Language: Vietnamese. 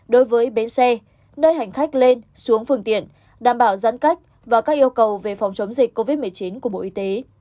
đối với bến xe nơi hành khách lên xuống phương tiện đảm bảo giãn cách và các yêu cầu về phòng chống dịch covid một mươi chín của bộ y tế